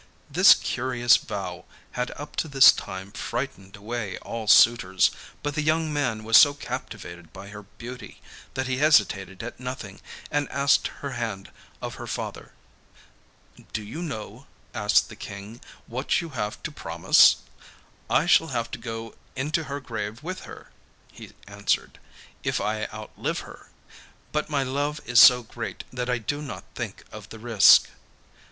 This curious vow had up to this time frightened away all suitors, but the young man was so captivated by her beauty, that he hesitated at nothing and asked her hand of her father. 'Do you know,' asked the King, 'what you have to promise?' 'I shall have to go into her grave with her,' he answered, 'if I outlive her, but my love is so great that I do not think of the risk.